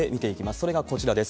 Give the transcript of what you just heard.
それがこちらです。